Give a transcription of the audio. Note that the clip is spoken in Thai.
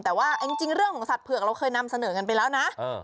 แต่ว่าจริงเรื่องของสัตว์เผือกเราเคยนำเสนอกันไปแล้วนะ